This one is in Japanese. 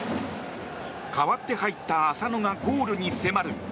代わって入った浅野がゴールに迫る。